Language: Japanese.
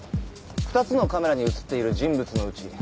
２つのカメラに映っている人物のうち